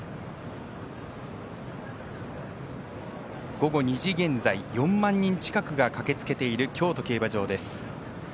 午後２時現在、４万人近くが駆けつけている京都競馬場です。